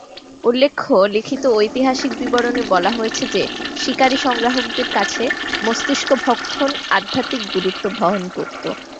উল্লেখ্য, লিখিত ঐতিহাসিক বিবরণে বলা হয়েছে যে শিকারী-সংগ্রাহকদের কাছে মস্তিষ্ক-ভক্ষণ আধ্যাত্মিক গুরুত্ব বহন করত।